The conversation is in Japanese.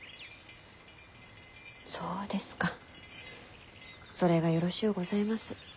そうですかそれがよろしゅうございます。